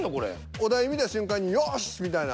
お題見た瞬間によしっ！みたいな。